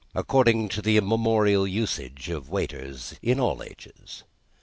According to the immemorial usage of waiters in all ages.